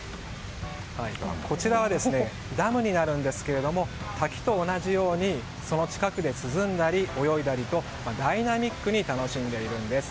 こちらはダムになるんですけども滝と同じようにその近くで涼んだり泳いだりと、ダイナミックに楽しんでいるんです。